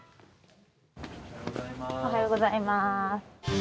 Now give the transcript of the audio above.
おはようございます。